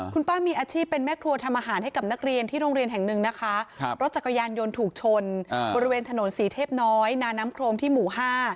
คุณป้ามีอาชีพเป็นแม่ครัวทำอาหารให้กับนักเรียนที่โรงเรียนแห่งหนึ่งนะคะรถจักรยานยนต์ถูกชนบริเวณถนนศรีเทพน้อยนาน้ำโครงที่หมู่๕